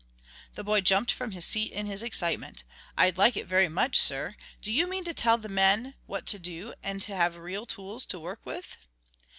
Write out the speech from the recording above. The boy jumped from his seat in his excitement. "I'd like it very much, sir. Do you mean to tell the men what to do, and to have real tools to work with?"